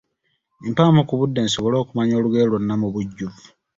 Mpaamu ku budde nsobole okumanya olugero lwonna mu bujjuvu.